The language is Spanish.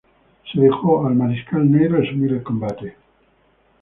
Se dejó al Mariscal Ney resumir el combate.